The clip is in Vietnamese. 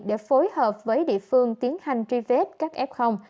để phối hợp với địa phương tiến hành truy vết các f